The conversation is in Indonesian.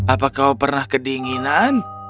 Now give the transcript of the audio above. apakah kau pernah kedinginan